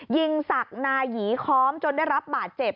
ยิงศักดิ์นายีค้อมจนได้รับบาดเจ็บ